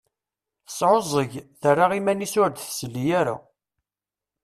Tesεuẓẓeg, terra iman-is ur d-tesli ara.